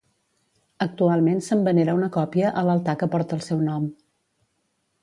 Actualment se'n venera una còpia a l'altar que porta el seu nom.